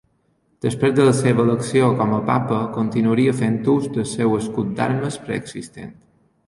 Després de la seva elecció com a Papa, continuaria fent ús del seu escut d'armes preexistent.